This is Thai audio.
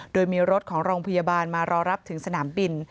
โดยมีรถของโรงพยาบาลมารอรับถึงสนามบิน